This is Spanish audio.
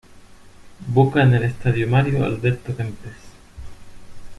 Boca en el Estadio Mario Alberto Kempes.